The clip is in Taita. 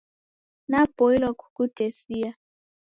Napoilwa kukutesia.